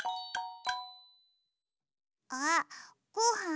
あごはん。